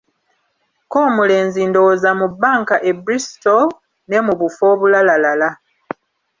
Ko omulenzi Ndowooza mu banka e Bristol ne mu bufo obulalalala.